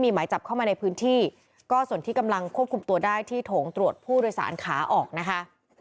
มีหมายจับเข้ามาในพื้นที่ก็ส่วนที่กำลังควบคุมตัวได้ที่โถงตรวจผู้โดยสารขาออกนะคะ